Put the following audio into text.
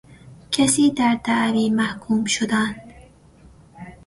کسی در دعوی محکوم شدن